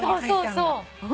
そうそう。